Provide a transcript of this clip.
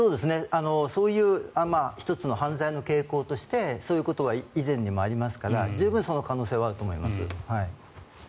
そういう１つの犯罪の傾向としてそういうことは以前にもありますから十分にその可能性はあると思います。